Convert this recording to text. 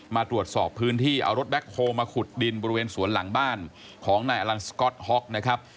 มาตรวจสอบพื้นที่เอารถแบ็คโฮลมาขุดดินบริเวณสวนหลังบ้านของนายอลันสก๊อตฮ็อกนะครับ